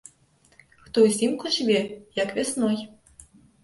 Хто ўзімку жыве, як вясной!